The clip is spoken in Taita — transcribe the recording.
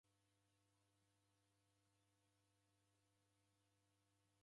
Waenjero imbiri ya koti mando adadu.